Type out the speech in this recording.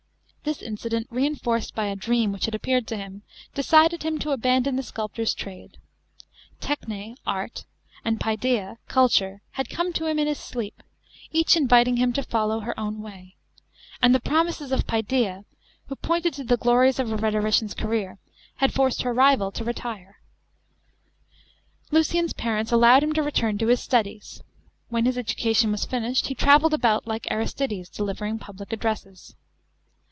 This incident, reinforced by a dream which had appeared to him, decided him to abandon the sculptor's trade. Techne (Art) and Paideia (Culture) had come to him in his sleep, each inviting him to follow her way ; and the promises of Paideia, who pointed to the glories of a rhetorician's career, had forced her rival to retire. Lucian's parents allowed him to return to his studies. When his education was finished, he travelled about, like Aristides, delivering public addresses.